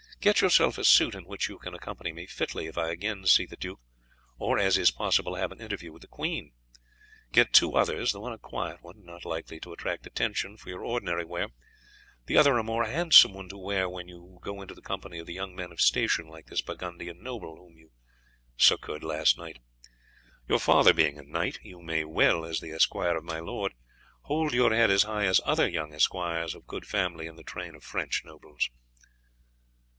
Get yourself a suit in which you can accompany me fitly if I again see the duke, or, as is possible, have an interview with the queen. Get two others, the one a quiet one, and not likely to attract notice, for your ordinary wear; the other a more handsome one, to wear when you go into the company of the young men of station like this Burgundian noble whom you succoured last night. Your father being a knight, you may well, as the esquire of my lord, hold your head as high as other young esquires of good family in the train of French nobles."